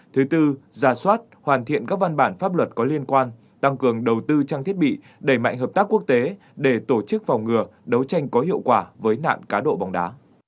thứ tư giả soát hoàn thiện các văn bản pháp luật có liên quan tăng cường đầu tư trang thiết bị đẩy mạnh hợp tác quốc tế để tổ chức phòng ngừa đấu tranh có hiệu quả với nạn cá độ bóng đá